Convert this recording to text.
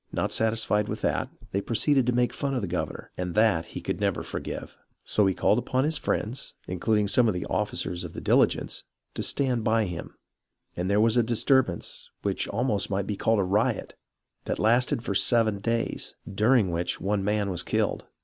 Not satisfied with that, they proceeded to make fun of the gov ernor, and that he could never forgive ; so he called upon his friends, including some of the officers of the Diligence, to stand by him, and there was a disturbance which almost might be called a riot, that lasted for seven days, during which one man was killed.